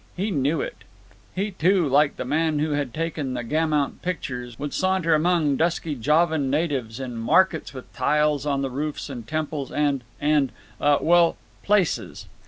He knew it. He, too, like the man who had taken the Gaumont pictures, would saunter among dusky Javan natives in "markets with tiles on the roofs and temples and—and—uh, well—places!"